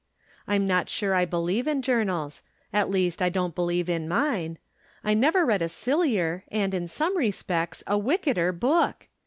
I'm not sure I believe in journals ; at least I don't believe in mine. I never read a sillier, and, ' in some respects, a wickeder book